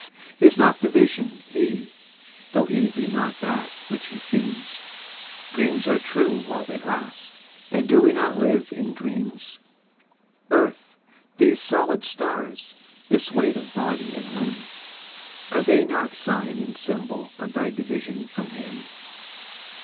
Is not the Vision He? tho' He be not that which He seems? Dreams are true while they last, and do we not live in dreams? Earth, these solid stars, this weight of body and limb, Are they not sign and symbol of thy division from Him?